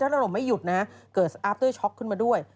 วิทยาละลมไม่หยุดนะเกิดอาฟเตอร์ช็อคขึ้นมาด้วย